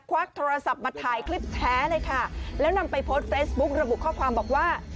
วักโทรศัพท์มาถ่ายคลิปแท้เลยค่ะแล้วนำไปโพสต์เฟซบุ๊กระบุข้อความบอกว่า